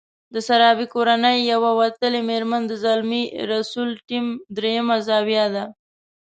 د سرابي کورنۍ يوه وتلې مېرمن د زلمي رسول ټیم درېيمه زاویه ده.